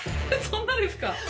そんなですか？